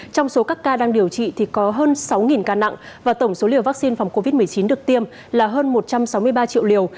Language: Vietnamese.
trong số các ca đang điều trị thì có hơn sáu ca nặng và tổng số liều vaccine phòng covid một mươi chín được tiêm là hơn một trăm sáu mươi ba triệu liều